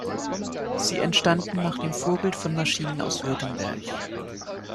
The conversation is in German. Sie entstanden nach dem Vorbild von Maschinen aus Württemberg.